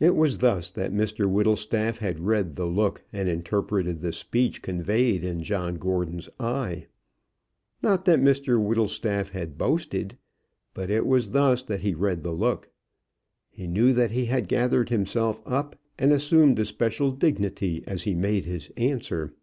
It was thus that Mr Whittlestaff had read the look and interpreted the speech conveyed in Gordon's eye. Not that Mr Whittlestaff had boasted, but it was thus that he read the look. He knew that he had gathered himself up and assumed a special dignity as he made his answer.